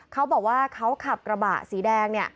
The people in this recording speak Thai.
เขาบอกว่าเขาขับกระบะสีแดงเนี่ย